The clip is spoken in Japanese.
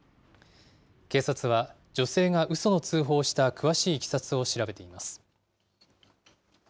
警察は、女性がうその通報をした詳しいいきさつを調べています。